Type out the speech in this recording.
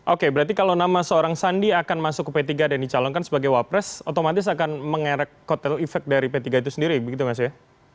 oke berarti kalau nama seorang sandi akan masuk ke p tiga dan dicalonkan sebagai wapres otomatis akan mengerek kotel efek dari p tiga itu sendiri begitu mas ya